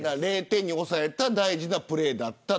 ０点に抑えた大事なプレーでした。